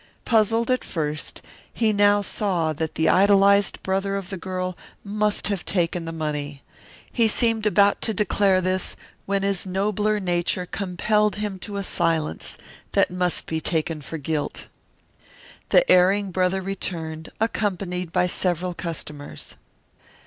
Puzzled at first, he now saw that the idolized brother of the girl must have taken the money. He seemed about to declare this when his nobler nature compelled him to a silence that must be taken for guilt. The erring brother returned, accompanied by several customers.